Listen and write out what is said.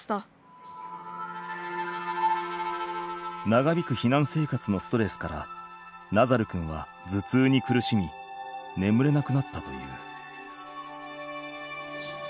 長引く避難生活のストレスからナザル君は頭痛に苦しみ眠れなくなったという。